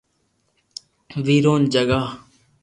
ویرون جگا